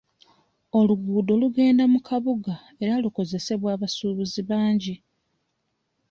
Oluguudo lugenda mu kabuga era likozesebwa abasuubuzi bangi.